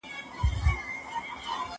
دا ليکلي پاڼي له هغو پاکې دي،